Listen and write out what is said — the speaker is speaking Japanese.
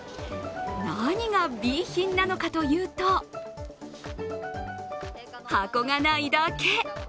何がＢ品なのかというと、箱がないだけ。